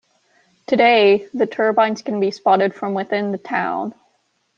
Today, the turbines can be spotted from within the town.